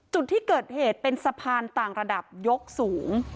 จุดที่เกิดเหตุเป็นสะพานต่างระดับยกสูง